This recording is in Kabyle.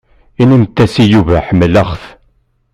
Inimt-as i Yuba ḥemmleɣ-t.